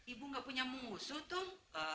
ibu gak punya musuh tuh